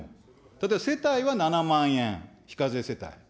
例えば世帯は７万円、非課税世帯。